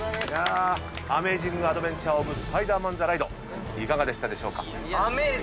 アメージング・アドベンチャー・オブ・スパイダーマン・ザ・ライドいかがでしたでしょうか？